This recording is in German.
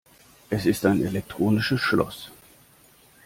Es ist ein elektronisches Schloss.